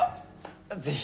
ぜひ。